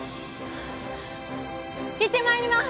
行ってまいります